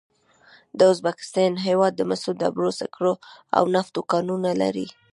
د ازبکستان هېواد د مسو، ډبرو سکرو او نفتو کانونه لري.